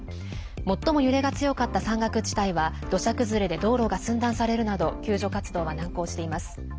最も揺れが強かった山岳地帯は土砂崩れで道路が寸断されるなど救助活動は難航しています。